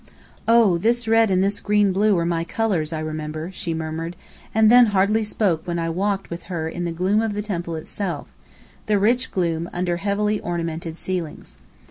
"Oh, this red and this green blue were my colours, I remember," she murmured, and then hardly spoke when I walked with her in the gloom of the temple itself the rich gloom under heavily ornamented ceilings.